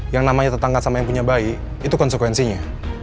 yang namanya tetangga sama yang punya bayi itu konsekuensinya